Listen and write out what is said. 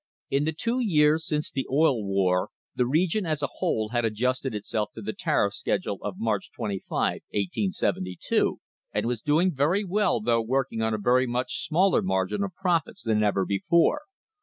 In the two years since the Oil War the region, as a whole, had adjusted itself to the tariff schedule of March 25, 1872, and was doing very well though working on a very much smaller margin of profits than ever before.